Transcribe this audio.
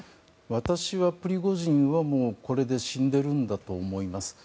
私はプリゴジンはこれで死んでるんだと思います。